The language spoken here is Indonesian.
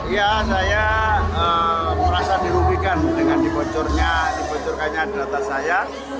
ya saya merasa dirubikan dengan dibocorkannya di data saya